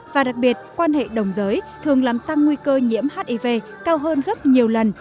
và đặc biệt quan hệ đồng giới thường làm tăng nguy cơ nhiễm hiv cao hơn gấp nhiều lần